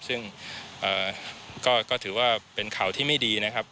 ซึ่งก็ถือว่าเป็นข่าวที่ไม่ดีนะครับ